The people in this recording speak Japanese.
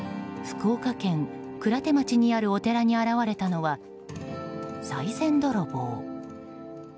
福岡県鞍手町にあるお寺に現れたのは、さい銭泥棒。